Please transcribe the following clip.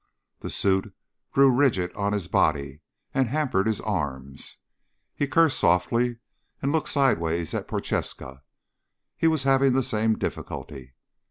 The suit grew rigid on his body and hampered his arms. He cursed softly and looked sideways at Prochaska. He was having the same difficulty.